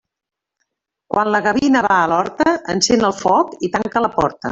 Quan la gavina va a l'horta, encén el foc i tanca la porta.